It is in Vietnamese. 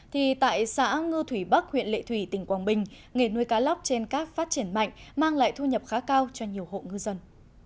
thì tại xã ngư thủy bắc huyện lệ thủy tỉnh quảng bình nghề nuôi cá lóc trên cát phát triển mạnh mang lại thu nhập khá cao cho nhiều hộ ngư dân